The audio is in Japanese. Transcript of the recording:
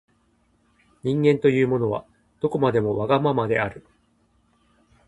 人間というものは、どこまでもわがままである。